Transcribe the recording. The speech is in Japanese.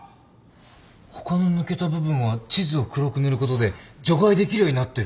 他の抜けた部分は地図を黒く塗ることで除外できるようになってる。